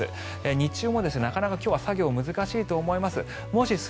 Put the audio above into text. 日中もなかなか今日は作業は難しいと思います。